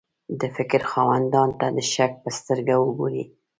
د فکر خاوندانو ته د شک په سترګه وګوري.